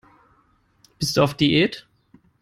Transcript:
Bist du auf Diät?